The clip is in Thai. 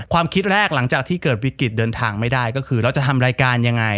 คิดแรกหลังจากที่เกิดวิกฤตเดินทางไม่ได้ก็คือเราจะทำรายการยังไง